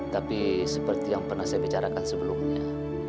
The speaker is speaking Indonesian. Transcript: tapi seperti yang pernah saya bicarakan sebelumnya